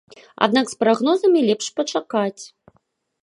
Аднак з прагнозамі лепш пачакаць.